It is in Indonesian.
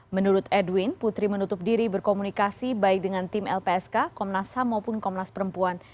menurut edwin putri menutup diri berkomunikasi baik dengan tim lpsk komnas ham maupun komnas perempuan